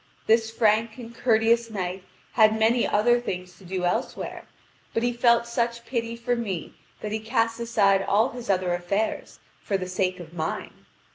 This frank and courteous knight had many other things to do elsewhere; but he felt such pity for me that he cast aside all his other affairs for the sake of mine.